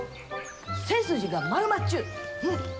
背筋が丸まっちゅう！